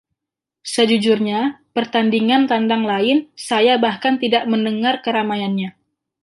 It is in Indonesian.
Sejujurnya, pertandingan tandang lain saya bahkan tidak mendengar keramaiannya.